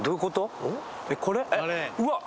うわっ！